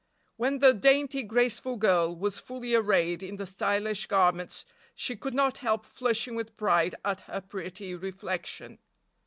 When the dainty, graceful girl was fully arrayed in the stylish garments she could not help flushing with pride at her pretty reflection.